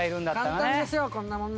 簡単ですよこんな問題。